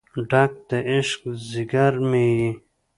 ډک د عشق ځیګر مې یې